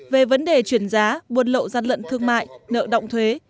về vấn đề chuyển giá buôn lậu gian lận thương mại nợ động thuế